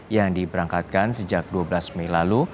yang diberangkatkan sejak dua belas mei lalu